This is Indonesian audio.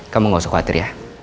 kamu gak usah khawatir ya